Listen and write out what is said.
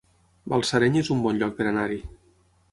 Balsareny es un bon lloc per anar-hi